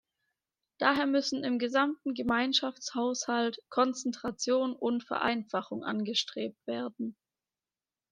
Daher müssen im gesamten Gemeinschaftshaushalt Konzentration und Vereinfachung angestrebt werden.